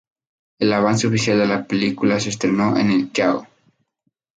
El avance oficial de la película se estrenó en el Yahoo!